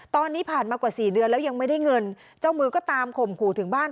ตอนนี้ผ่านมากว่าสี่เดือนแล้วยังไม่ได้เงินเจ้ามือก็ตามข่มขู่ถึงบ้าน